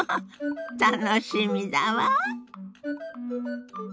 楽しみだわ。